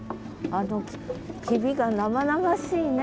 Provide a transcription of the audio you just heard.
あのヒビが生々しいね。